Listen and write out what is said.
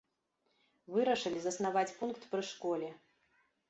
Вырашылі заснаваць пункт пры школе.